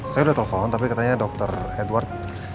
saya sudah telepon tapi katanya dr edward